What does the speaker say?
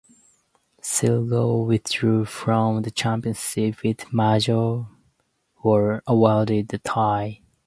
Sligo withdrew from the championship and Mayo were awarded the tie.